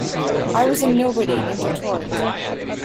I was a nobody in Detroit.